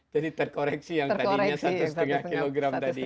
jadi terkoreksi yang tadinya satu setengah kilogram tadi ya